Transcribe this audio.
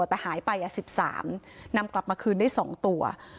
แต่หายไป๑๓นำกลับมาคืนได้๒ตัว